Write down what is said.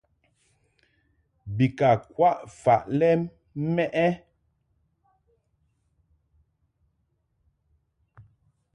Bi ka kwaʼ faʼ lɛ mɛʼ ɛ ?